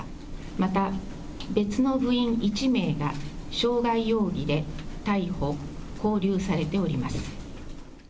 また別の部員１名が、傷害容疑で逮捕・勾留されております。